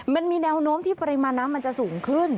มันมีแนวโน้มที่ปริมาณน้ำมันจะสูงขึ้น